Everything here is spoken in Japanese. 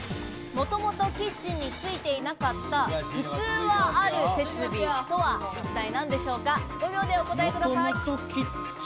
もともとキッチンに付いていなかった、普通はある設備とは、一体何でしょうか、５秒でお答えください。